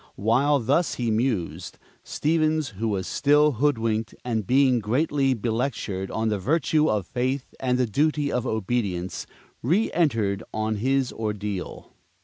While thus he mused, Stevens, who was still hoodwinked and being greatly belectured on the virtue of Faith and the duty of Obedience, reëntered on his ordeal.